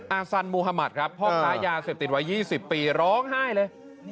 อาสันมุธมัธครับพ่อกลายยาเสพติดไว้๒๐ปีร้องไห้เลย